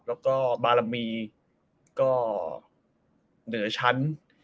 แล้วก็บารมีก็เหนือชั้น